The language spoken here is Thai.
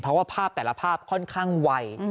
เพราะว่าภาพแต่ละภาพค่อนข้างไว